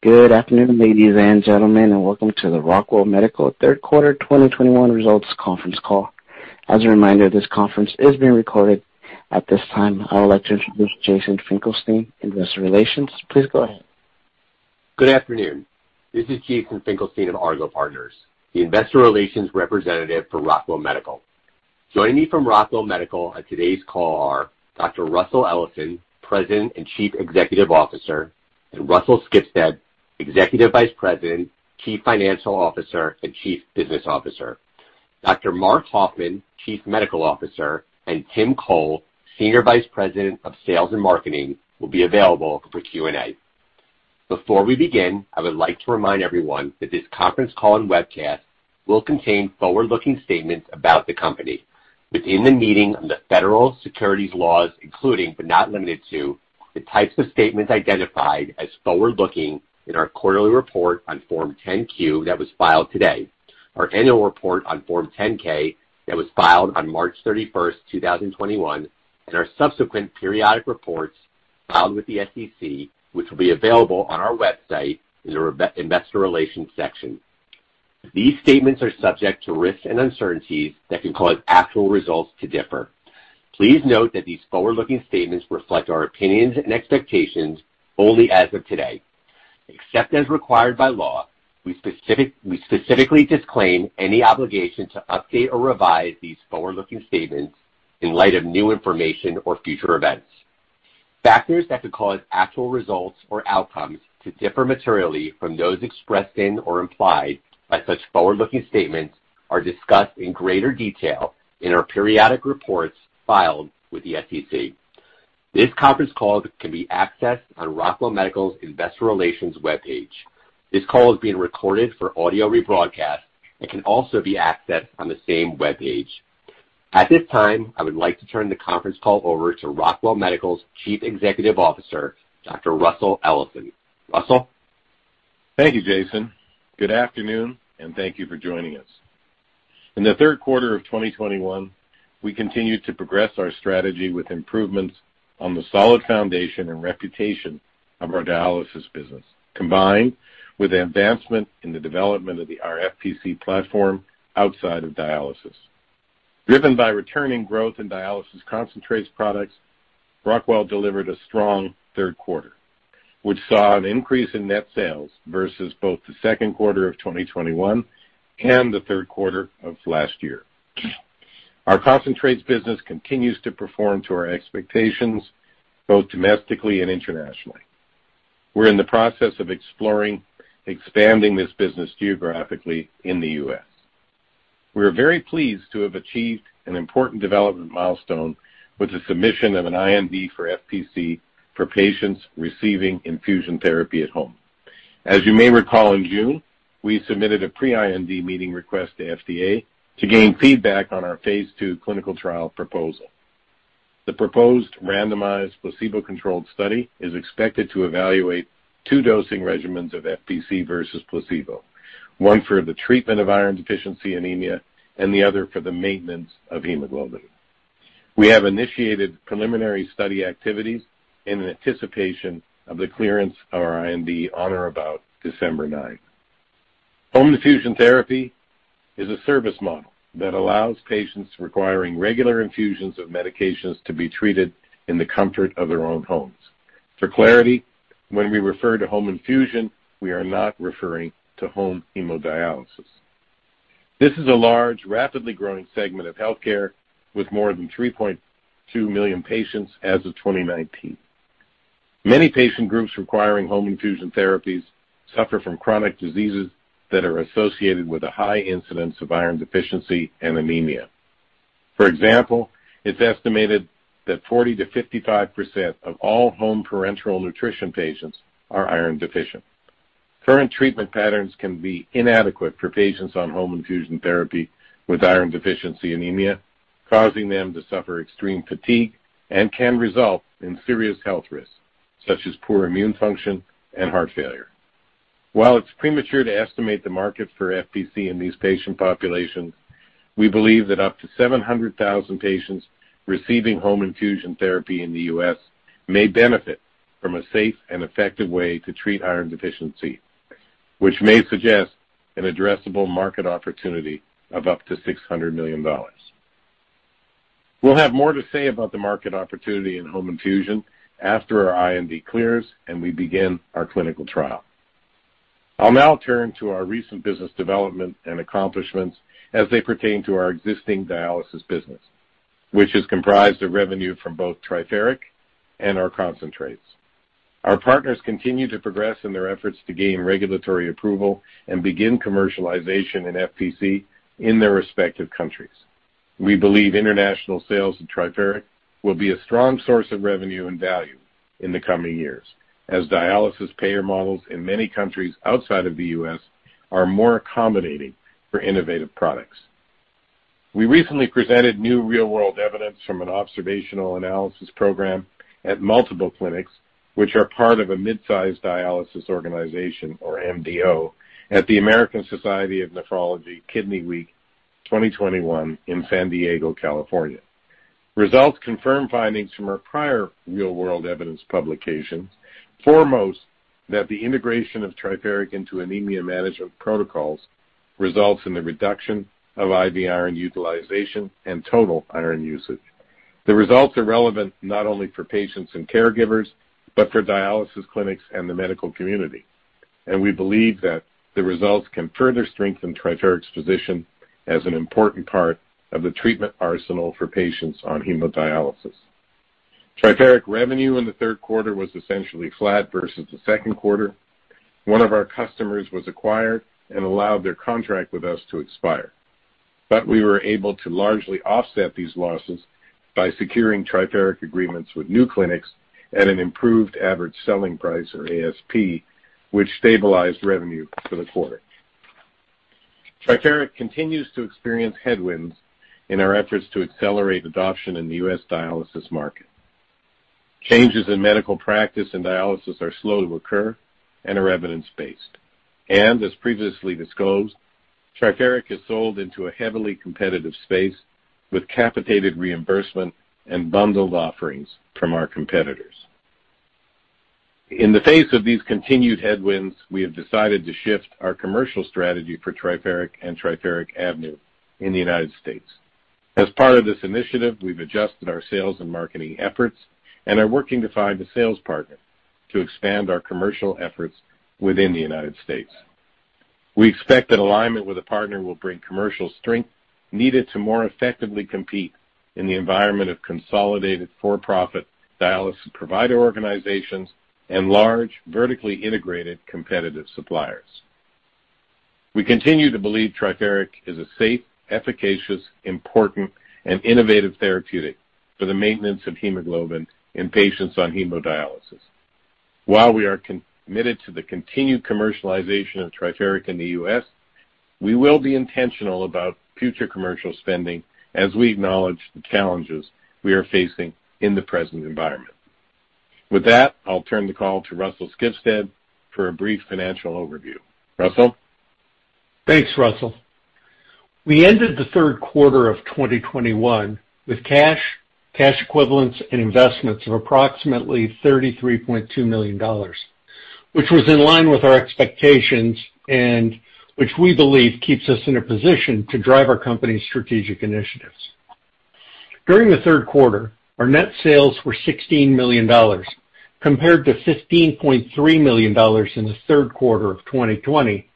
Good afternoon, ladies and gentlemen, and welcome to the Rockwell Medical Q3 2021 results conference call. As a reminder, this conference is being recorded. At this time, I would like to introduce Jason Finkelstein, Investor Relations. Please go ahead. Good afternoon. This is Jason Finkelstein of Argot Partners, the investor relations representative for Rockwell Medical. Joining me from Rockwell Medical on today's call are Dr. Russell Ellison, President and Chief Executive Officer, and Russell L. Skibsted, Executive Vice President, Chief Financial Officer, and Chief Business Officer. Dr. Marc Hoffman, Chief Medical Officer, and Tim Chole, Senior Vice President of Sales and Marketing, will be available for Q&A. Before we begin, I would like to remind everyone that this conference call and webcast will contain forward-looking statements about the company within the meaning of the federal securities laws, including, but not limited to, the types of statements identified as forward-looking in our quarterly report on Form 10-Q that was filed today, our annual report on Form 10-K that was filed on March 31, 2021, and our subsequent periodic reports filed with the SEC, which will be available on our website in our investor relations section. These statements are subject to risks and uncertainties that can cause actual results to differ. Please note that these forward-looking statements reflect our opinions and expectations only as of today. Except as required by law, we specifically disclaim any obligation to update or revise these forward-looking statements in light of new information or future events. Factors that could cause actual results or outcomes to differ materially from those expressed in or implied by such forward-looking statements are discussed in greater detail in our periodic reports filed with the SEC. This conference call can be accessed on Rockwell Medical's investor relations webpage. This call is being recorded for audio rebroadcast and can also be accessed on the same webpage. At this time, I would like to turn the conference call over to Rockwell Medical's Chief Executive Officer, Dr. Russell Ellison. Russell? Thank you, Jason. Good afternoon, and thank you for joining us. In the Q3 of 2021, we continued to progress our strategy with improvements on the solid foundation and reputation of our dialysis business, combined with the advancement in the development of the FPC platform outside of dialysis. Driven by returning growth in dialysis concentrates products, Rockwell delivered a strong third quarter, which saw an increase in net sales versus both the Q2 of 2021 and the third quarter of last year. Our concentrates business continues to perform to our expectations, both domestically and internationally. We're in the process of exploring expanding this business geographically in the U.S. We are very pleased to have achieved an important development milestone with the submission of an IND for FPC for patients receiving infusion therapy at home. As you may recall, in June, we submitted a pre-IND meeting request to FDA to gain feedback on our phase II clinical trial proposal. The proposed randomized placebo-controlled study is expected to evaluate two dosing regimens of FPC versus placebo, one for the treatment of iron deficiency anemia and the other for the maintenance of hemoglobin. We have initiated preliminary study activities in anticipation of the clearance of our IND on or about December ninth. Home infusion therapy is a service model that allows patients requiring regular infusions of medications to be treated in the comfort of their own homes. For clarity, when we refer to home infusion, we are not referring to home hemodialysis. This is a large, rapidly growing segment of healthcare with more than 3.2 million patients as of 2019. Many patient groups requiring home infusion therapies suffer from chronic diseases that are associated with a high incidence of iron deficiency and anemia. For example, it's estimated that 40%-55% of all home parenteral nutrition patients are iron deficient. Current treatment patterns can be inadequate for patients on home infusion therapy with iron deficiency anemia, causing them to suffer extreme fatigue and can result in serious health risks, such as poor immune function and heart failure. While it's premature to estimate the market for FPC in these patient populations, we believe that up to 700,000 patients receiving home infusion therapy in the U.S. may benefit from a safe and effective way to treat iron deficiency, which may suggest an addressable market opportunity of up to $600 million. We'll have more to say about the market opportunity in home infusion after our IND clears and we begin our clinical trial. I'll now turn to our recent business development and accomplishments as they pertain to our existing dialysis business, which is comprised of revenue from both Triferic and our concentrates. Our partners continue to progress in their efforts to gain regulatory approval and begin commercialization in FPC in their respective countries. We believe international sales of Triferic will be a strong source of revenue and value in the coming years as dialysis payer models in many countries outside of the U.S. are more accommodating for innovative products. We recently presented new real-world evidence from an observational analysis program at multiple clinics which are part of a mid-sized dialysis organization or MDO at the American Society of Nephrology Kidney Week 2021 in San Diego, California. Results confirm findings from our prior real-world evidence publications, foremost that the integration of Triferic into anemia management protocols results in the reduction of IV iron utilization and total iron usage. The results are relevant not only for patients and caregivers, but for dialysis clinics and the medical community. We believe that the results can further strengthen Triferic's position as an important part of the treatment arsenal for patients on hemodialysis. Triferic revenue in the third quarter was essentially flat versus the Q2. One of our customers was acquired and allowed their contract with us to expire. We were able to largely offset these losses by securing Triferic agreements with new clinics at an improved average selling price, or ASP, which stabilized revenue for the quarter. Triferic continues to experience headwinds in our efforts to accelerate adoption in the U.S. dialysis market. Changes in medical practice and dialysis are slow to occur and are evidence-based. As previously disclosed, Triferic is sold into a heavily competitive space with capitated reimbursement and bundled offerings from our competitors. In the face of these continued headwinds, we have decided to shift our commercial strategy for Triferic and Triferic AVNU in the United States. As part of this initiative, we've adjusted our sales and marketing efforts and are working to find a sales partner to expand our commercial efforts within the United States. We expect an alignment with a partner will bring commercial strength needed to more effectively compete in the environment of consolidated for-profit dialysis provider organizations and large vertically integrated competitive suppliers. We continue to believe Triferic is a safe, efficacious, important, and innovative therapeutic for the maintenance of hemoglobin in patients on hemodialysis. While we are committed to the continued commercialization of Triferic in the U.S., we will be intentional about future commercial spending as we acknowledge the challenges we are facing in the present environment. With that, I'll turn the call to Russell Skibsted for a brief financial overview. Russell? Thanks, Russell. We ended the Q3 of 2021 with cash equivalents, and investments of approximately $33.2 million, which was in line with our expectations and which we believe keeps us in a position to drive our company's strategic initiatives. During the Q3, our net sales were $16 million, compared to $15.3 million in the third quarter of 2020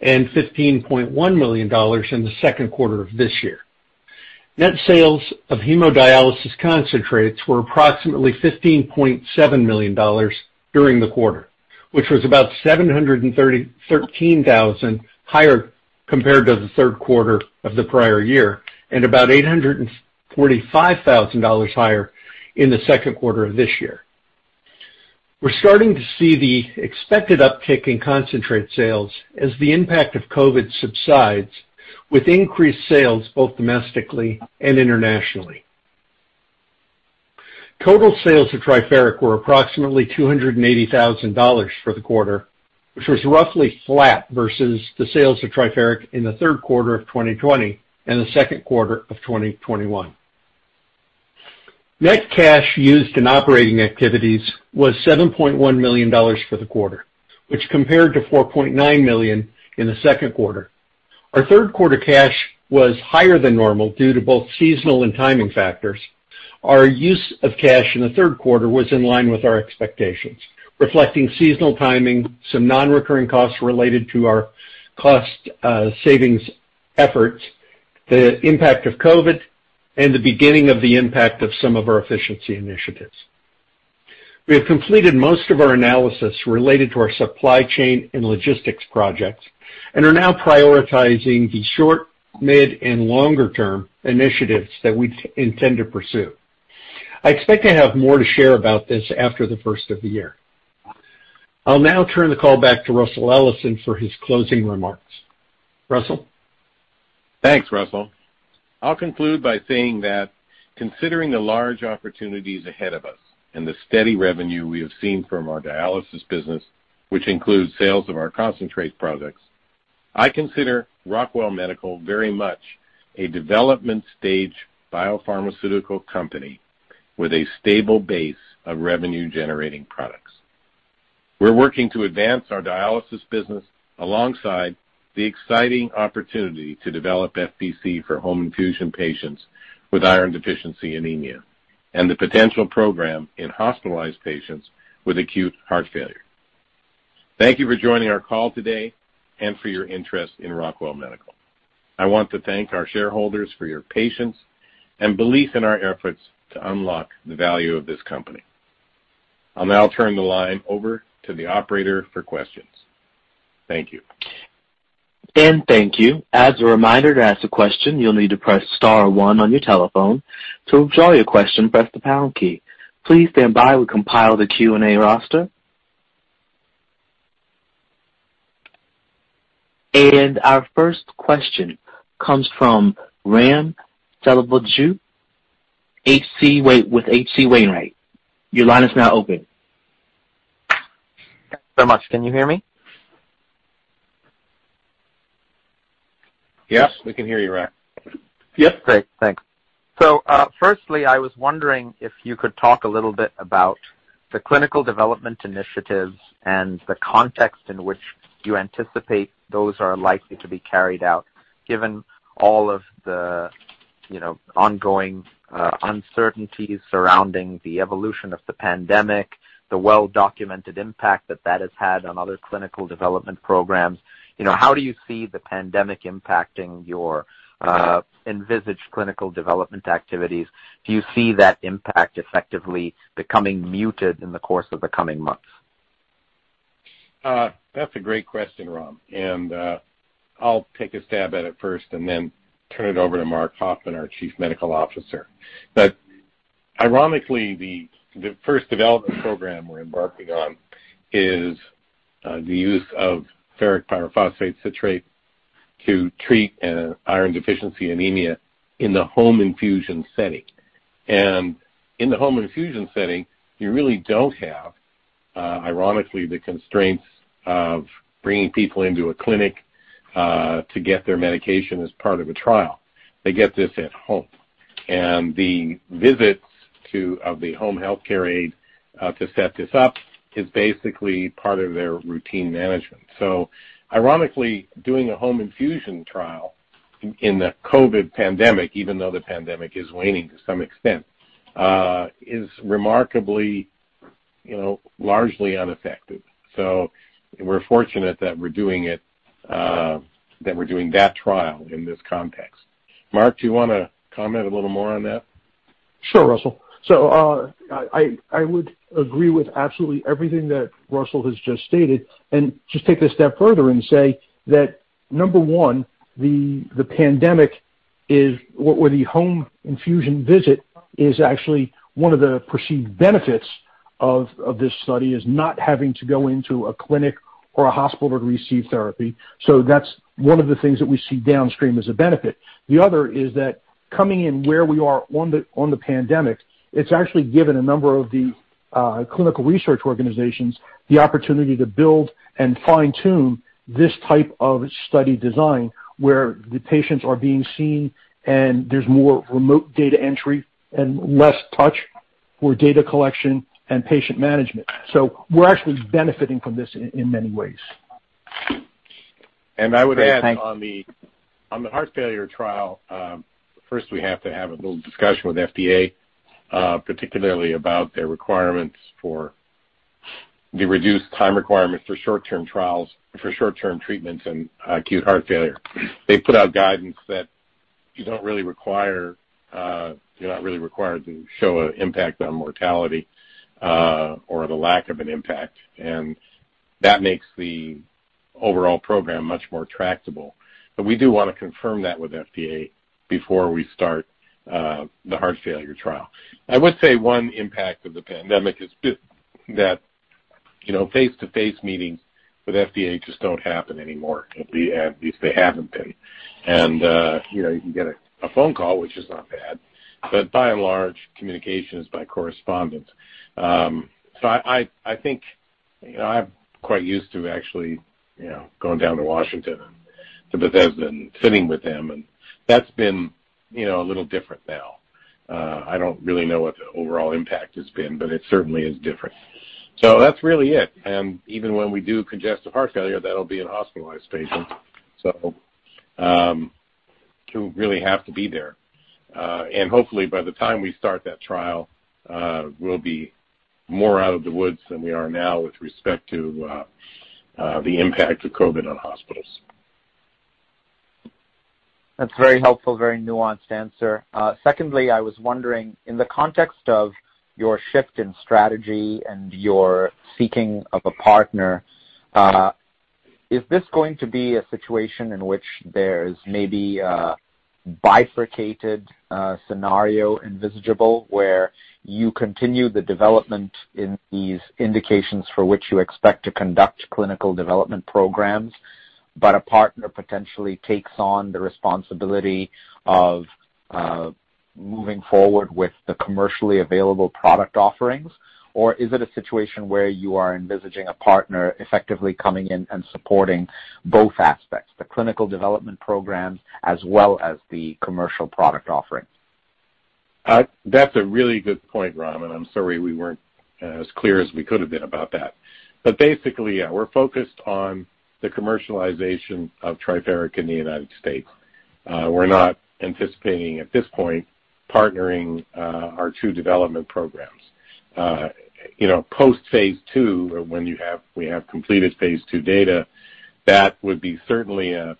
and $15.1 million in the Q2 of this year. Net sales of hemodialysis concentrates were approximately $15.7 million during the quarter, which was about $730,000 higher compared to the Q3 of the prior year and about $845,000 higher in the Q2 of this year. We're starting to see the expected uptick in concentrate sales as the impact of COVID subsides with increased sales both domestically and internationally. Total sales of Triferic were approximately $280,000 for the quarter, which was roughly flat versus the sales of Triferic in the third quarter of 2020 and the Q2 of 2021. Net cash used in operating activities was $7.1 million for the quarter, which compared to $4.9 million in the Q2. Our Q3 cash was higher than normal due to both seasonal and timing factors. Our use of cash in the third quarter was in line with our expectations, reflecting seasonal timing, some non-recurring costs related to our cost savings efforts, the impact of COVID, and the beginning of the impact of some of our efficiency initiatives. We have completed most of our analysis related to our supply chain and logistics projects and are now prioritizing the short, mid, and longer-term initiatives that we intend to pursue. I expect to have more to share about this after the first of the year. I'll now turn the call back to Russell Ellison for his closing remarks. Russell? Thanks, Russell. I'll conclude by saying that considering the large opportunities ahead of us and the steady revenue we have seen from our dialysis business, which includes sales of our concentrate products, I consider Rockwell Medical very much a development stage biopharmaceutical company with a stable base of revenue-generating products. We're working to advance our dialysis business alongside the exciting opportunity to develop FPC for home infusion patients with iron deficiency anemia and the potential program in hospitalized patients with acute heart failure. Thank you for joining our call today and for your interest in Rockwell Medical. I want to thank our shareholders for your patience and belief in our efforts to unlock the value of this company. I'll now turn the line over to the operator for questions. Thank you. Thank you. As a reminder, to ask a question, you'll need to press star one on your telephone. To withdraw your question, press the pound key. Please stand by while we compile the Q&A roster. Our first question comes from Ram Selvaraju with H.C. Wainwright. Your line is now open. Thanks so much. Can you hear me? Yes, we can hear you, Ram Selvaraju. Yes. Great. Thanks. Firstly, I was wondering if you could talk a little bit about the clinical development initiatives and the context in which you anticipate those are likely to be carried out, given all of the, you know, ongoing, uncertainties surrounding the evolution of the pandemic, the well-documented impact that that has had on other clinical development programs. You know, how do you see the pandemic impacting your, envisaged clinical development activities? Do you see that impact effectively becoming muted in the course of the coming months? That's a great question, Ram, and I'll take a stab at it first and then turn it over to Marc Hoffman, our Chief Medical Officer. Ironically, the first development program we're embarking on is the use of ferric pyrophosphate citrate to treat iron deficiency anemia in the home infusion setting. In the home infusion setting, you really don't have, ironically, the constraints of bringing people into a clinic to get their medication as part of a trial. They get this at home. The visits of the home healthcare aid to set this up is basically part of their routine management. Ironically, doing a home infusion trial in the COVID pandemic, even though the pandemic is waning to some extent, is remarkably, you know, largely unaffected. We're fortunate that we're doing it, that we're doing that trial in this context. Marc, do you wanna comment a little more on that? Sure, Russell. I would agree with absolutely everything that Russell has just stated, and just take it a step further and say that number one, the pandemic is or the home infusion visit is actually one of the perceived benefits of this study, is not having to go into a clinic or a hospital to receive therapy. That's one of the things that we see downstream as a benefit. The other is that coming in where we are on the pandemic, it's actually given a number of the clinical research organizations the opportunity to build and fine-tune this type of study design, where the patients are being seen and there's more remote data entry and less touch for data collection and patient management. We're actually benefiting from this in many ways. I would add. Great. On the heart failure trial, first we have to have a little discussion with FDA, particularly about their requirements for the reduced time requirements for short-term trials, for short-term treatments in acute heart failure. They put out guidance that you don't really require, you're not really required to show an impact on mortality, or the lack of an impact, and that makes the overall program much more tractable. But we do wanna confirm that with FDA before we start the heart failure trial. I would say one impact of the pandemic is just that, you know, face-to-face meetings with FDA just don't happen anymore, at least they haven't been. You know, you can get a phone call, which is not bad, but by and large, communication is by correspondence. I think, you know, I'm quite used to actually, you know, going down to Washington to Bethesda and sitting with them and that's been, you know, a little different now. I don't really know what the overall impact has been, but it certainly is different. That's really it. Even when we do congestive heart failure, that'll be in hospitalized patients, so don't really have to be there. Hopefully by the time we start that trial, we'll be more out of the woods than we are now with respect to the impact of COVID on hospitals. That's a very helpful, very nuanced answer. Secondly, I was wondering, in the context of your shift in strategy and your seeking of a partner, is this going to be a situation in which there's maybe a bifurcated scenario envisageable, where you continue the development in these indications for which you expect to conduct clinical development programs, but a partner potentially takes on the responsibility of moving forward with the commercially available product offerings? Or is it a situation where you are envisaging a partner effectively coming in and supporting both aspects, the clinical development programs as well as the commercial product offerings? That's a really good point, Ram, and I'm sorry we weren't as clear as we could have been about that. Basically, yeah, we're focused on the commercialization of Triferic in the United States. We're not anticipating at this point partnering our two development programs. You know, post phase II or when we have completed phase II data, that would be certainly a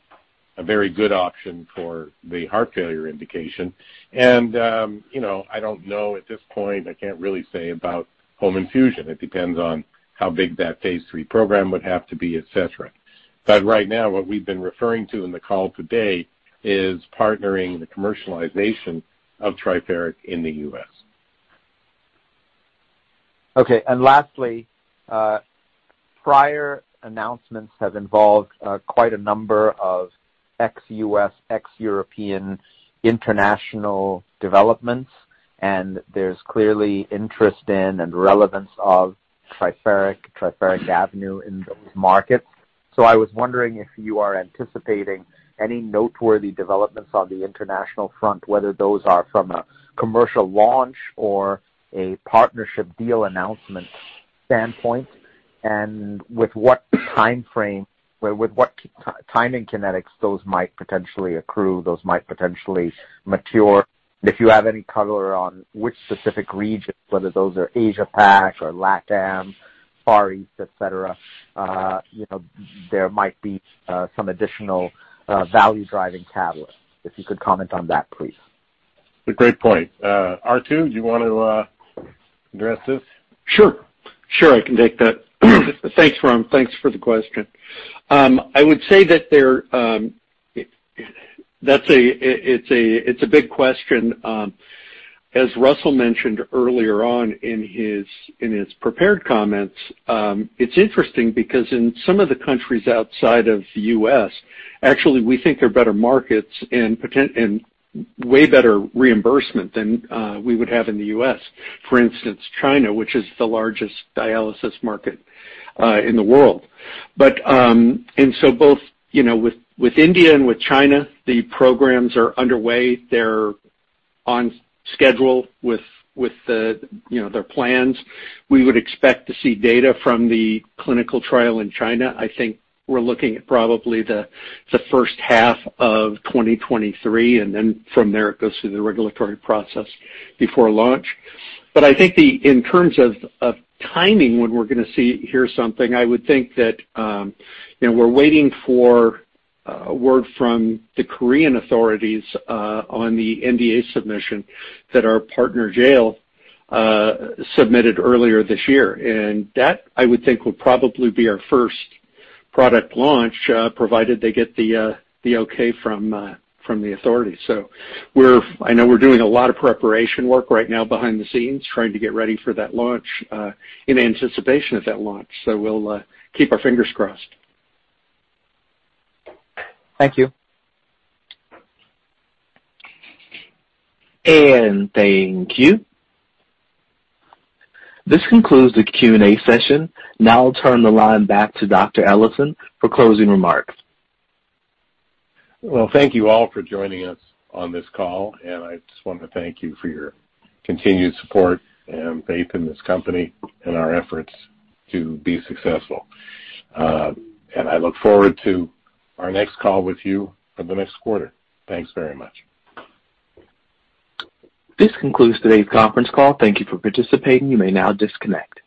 very good option for the heart failure indication. You know, I don't know at this point, I can't really say about home infusion. It depends on how big that phase III program would have to be, et cetera. Right now, what we've been referring to in the call today is partnering the commercialization of Triferic in the U.S. Okay. Lastly, prior announcements have involved quite a number of ex-U.S., ex-European international developments. There's clearly interest in and relevance of Triferic AVNU in those markets. I was wondering if you are anticipating any noteworthy developments on the international front, whether those are from a commercial launch or a partnership deal announcement standpoint, and with what timeframe, with what timing kinetics those might potentially accrue, those might potentially mature. If you have any color on which specific regions, whether those are Asia PAC or LATAM, Far East, et cetera, you know, there might be some additional value-driving catalyst. If you could comment on that, please. It's a great point. R2, do you want to address this? Sure, I can take that. Thanks, Ram. Thanks for the question. I would say that there. That's a big question. As Russell mentioned earlier on in his prepared comments, it's interesting because in some of the countries outside of the U.S., actually we think they're better markets and way better reimbursement than we would have in the U.S. For instance, China, which is the largest dialysis market in the world. And so both, you know, with India and with China, the programs are underway. They're on schedule with the, you know, their plans. We would expect to see data from the clinical trial in China. I think we're looking at probably the first half of 2023, and then from there it goes through the regulatory process before launch. I think in terms of timing, when we're gonna see, hear something, I would think that, you know, we're waiting for word from the Korean authorities on the NDA submission that our partner Jeil submitted earlier this year. That, I would think, will probably be our first product launch, provided they get the okay from the authorities. I know we're doing a lot of preparation work right now behind the scenes, trying to get ready for that launch in anticipation of that launch. We'll keep our fingers crossed. Thank you. Thank you. This concludes the Q&A session. Now I'll turn the line back to Dr. Ellison for closing remarks. Well, thank you all for joining us on this call, and I just want to thank you for your continued support and faith in this company and our efforts to be successful. I look forward to our next call with you for the next quarter. Thanks very much. This concludes today's conference call. Thank you for participating. You may now disconnect.